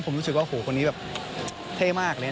ผมรู้สึกว่าโหคนนี้แบบเท่มากเลย